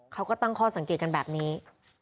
เขาก็ตั้งข้อสังเกตกันแบบนี้